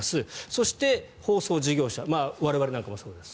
そして、放送事業者我々なんかもそうです。